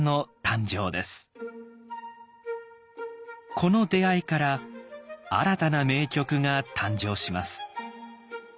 この出会いから新たな名曲が誕生します。